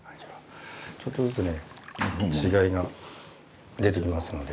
ちょっとずつね違いが出てきますので。